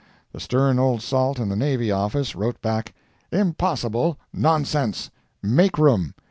The stern old salt in the Navy office wrote back: "Impossible—nonsense. Make room.